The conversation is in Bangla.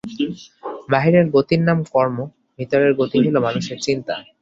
বাহিরের গতির নাম কর্ম, ভিতরের গতি হইল মানুষের চিন্তা।